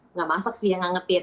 nggak masak sih yang ngangetin